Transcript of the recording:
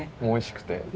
おいしくて。